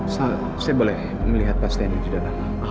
saya boleh melihat pak stanley di dalam